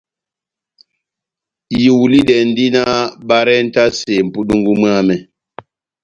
Ihulidɛndi náh barentase mʼpundungu mwámɛ.